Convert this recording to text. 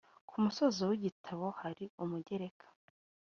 ku musozo w igitabo hari umugereka